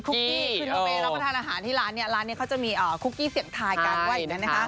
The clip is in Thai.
คุณเมย์รับประทานอาหารที่ร้านเนี่ยร้านเนี่ยเขาจะมีคุกกี้เสียงทายการไว้อย่างนั้นนะฮะ